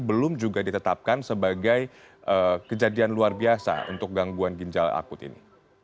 belum juga ditetapkan sebagai kejadian luar biasa untuk gangguan ginjal akut ini